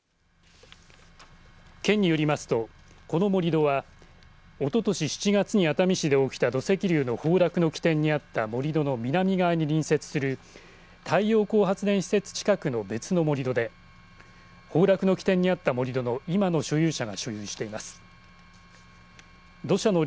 県によりますとこの盛り土はおととし７月に熱海市で起きた土石流の崩落の起点にあった盛り土の南側に隣接する太陽光発電施設の近くの別の盛り土で崩落の起点にあった盛り土の今の所有者が所有しています。